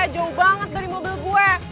jauh banget dari mobil gue